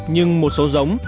nhưng một số giống